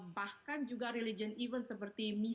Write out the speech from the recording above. bahkan juga religion event seperti mie